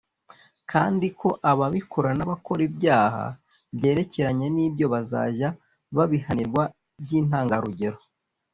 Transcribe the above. kandi ko ababikora n’abakora ibyaha byerekeranye n’ibyo bazajya babihanirwa by’intangarugero